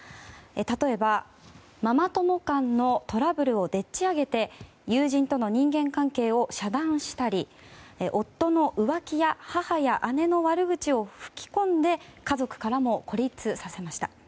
例えば、ママ友間のトラブルをでっち上げて友人との人間関係を遮断したり夫の浮気や母や姉の悪口を吹き込んで家族からも孤立させました。